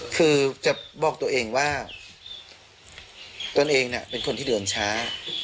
คือจะบอกตัวเองว่าตนเองเป็นคนที่เดินช้า